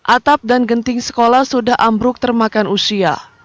atap dan genting sekolah sudah ambruk termakan usia